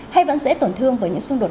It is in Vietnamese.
hay vẫn dễ tổn thương với những xung đột